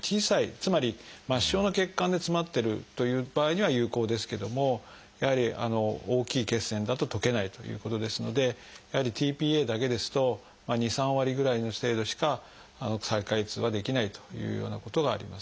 つまり末しょうの血管で詰まってるという場合には有効ですけどもやはり大きい血栓だと溶けないということですのでやはりｔ−ＰＡだけですと２３割ぐらいの程度しか再開通はできないというようなことがあります。